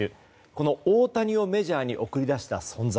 この大谷をメジャーに送り出した存在。